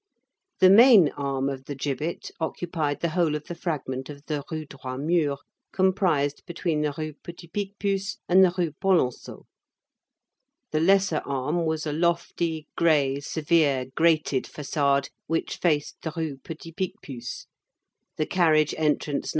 The main arm of the gibbet occupied the whole of the fragment of the Rue Droit Mur comprised between the Rue Petit Picpus and the Rue Polonceau; the lesser arm was a lofty, gray, severe grated façade which faced the Rue Petit Picpus; the carriage entrance No.